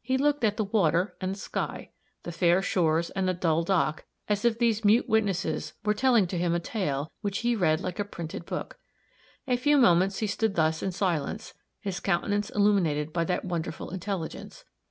He looked at the water and the sky, the fair shores and the dull dock, as if these mute witnesses were telling to him a tale which he read like a printed book. A few moments he stood thus in silence, his countenance illuminated by that wonderful intelligence.